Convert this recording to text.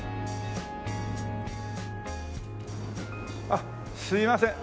あっすみません。